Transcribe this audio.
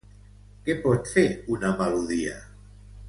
Què pot fer una melodia?